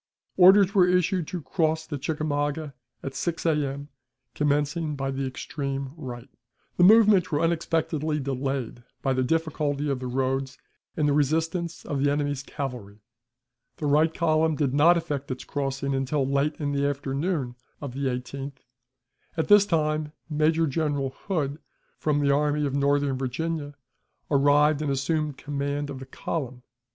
Orders were issued to cross the Chickamauga at 6 A.M., commencing by the extreme right. The movements were unexpectedly delayed by the difficulty of the roads and the resistance of the enemy's cavalry. The right column did not effect its crossing until late in the afternoon of the 18th; at this time, Major General Hood, from the Army of Northern Virginia, arrived and assumed command of the column.